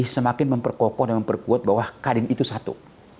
semakin memperkokoh dan memperkuat bahwa kadin itu satu